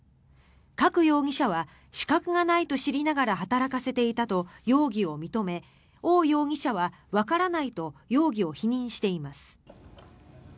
カク容疑者は資格がないと知りながら働かせていたと容疑を認めオウ容疑者は、わからないと容疑を否認しています。